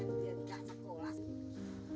ia takut bisa menjaga keamanan anaknya